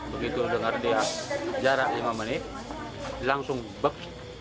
begitu dengar dia jarak lima menit langsung bep